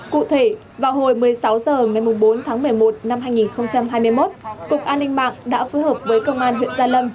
cụ thể vào hồi một mươi sáu h ngày bốn tháng một mươi một năm hai nghìn hai mươi một cục an ninh mạng đã phối hợp với công an huyện gia lâm